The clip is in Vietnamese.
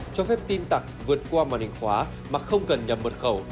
cho phép tin tặc vượt qua màn hình khóa mà không cần nhập mật khẩu